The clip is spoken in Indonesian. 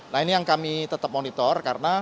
nah ini yang kami tetap monitor karena